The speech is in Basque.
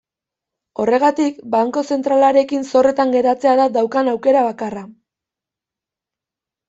Horregatik, banku zentralarekin zorretan geratzea da daukan aukera bakarra.